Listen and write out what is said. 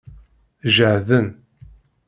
Jehden.